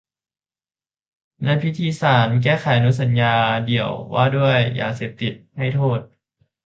และพิธีสารแก้ไขอนุสัญญาเดี่ยวว่าด้วยยาเสพติดให้โทษ